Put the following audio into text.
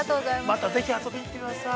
◆またぜひ遊びに来てください。